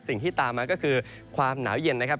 สิ่งที่ตามมาก็คือความหนาวเย็นนะครับ